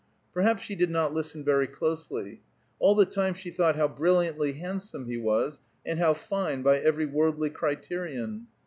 Perhaps she did not listen very closely. All the time she thought how brilliantly handsome he was, and how fine, by every worldly criterion.